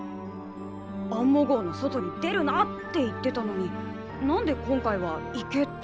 アンモ号の外に出るなって言ってたのに何で今回は行けって言うんだ？